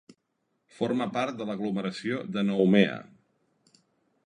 Forma part de l'aglomeració de Nouméa.